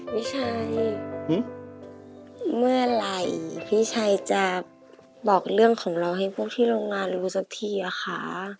พี่ชัยเมื่อไหร่พี่ชัยจะบอกเรื่องของเราให้พวกที่โรงงานรู้สักทีอะคะ